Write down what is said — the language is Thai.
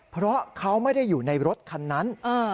เพราะเขาไม่ได้อยู่ในรถคันนั้น